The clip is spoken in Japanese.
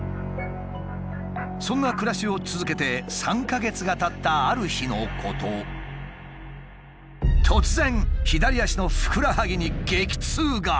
そんな暮らしを続けて３か月がたったある日のこと突然左足のふくらはぎに激痛が。